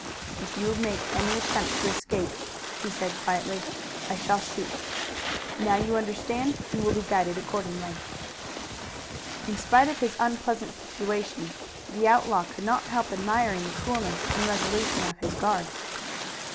"If you make any attempt to escape," he said quietly, "I shall shoot. Now you understand and will be guided accordingly." In spite of his unpleasant situation the outlaw could not help admiring the coolness and resolution of his guard.